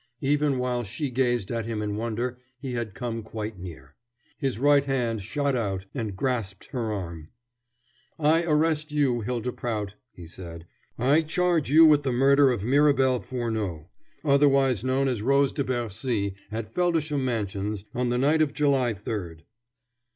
Even while she gazed at him in wonder he had come quite near. His right hand shot out and grasped her arm. "I arrest you, Hylda Prout," he said. "I charge you with the murder of Mirabel Furneaux, otherwise known as Rose de Bercy, at Feldisham Mansions, on the night of July 3d."